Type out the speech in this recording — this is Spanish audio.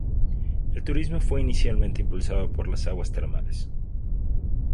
El turismo fue inicialmente impulsado por las aguas termales.